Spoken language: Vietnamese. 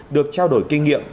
được trao đổi kinh nghiệm